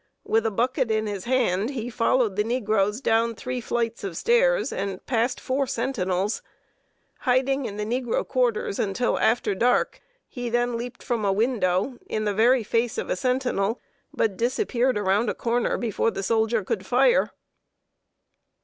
With a bucket in his hand, he followed the negroes down three flights of stairs and past four sentinels. Hiding in the negro quarters until after dark, he then leaped from a window in the very face of a sentinel, but disappeared around a corner before the soldier could fire.